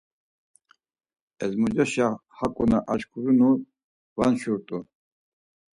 Ezmoceşa haǩu na aşǩurinu va nşurt̆u.